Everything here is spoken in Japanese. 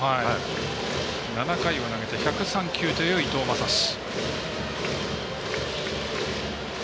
７回を投げて１０３球という伊藤将司。